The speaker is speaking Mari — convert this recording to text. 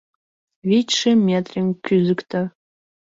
— Вич-шым метрым кӱзыктӧ.